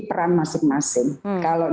peran masing masing kalau